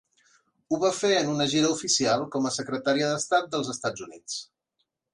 Ho va fer en una gira oficial com a Secretària d'Estat dels Estats Units.